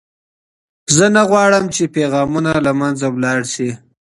زه نه غواړم چې پیغامونه له منځه ولاړ شي.